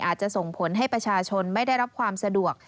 อาจจะส่งผลให้ประชาชนไม่ได้รับความสะดวก